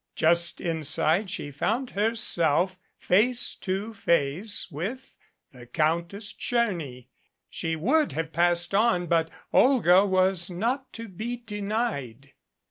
Just inside she found her self face to face with the Countess Tcherny. She would have passed on, but Olga was not to be denied.